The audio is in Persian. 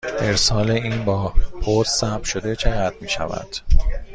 ارسال این با پست ثبت شده چقدر می شود؟